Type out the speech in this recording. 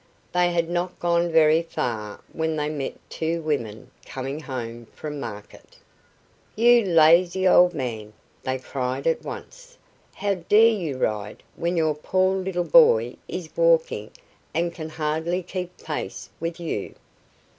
They had not gone very far when they met two women coming home from market. "You lazy old man!" they cried at once. "How dare you ride when your poor little boy is walking and can hardly keep pace with you?"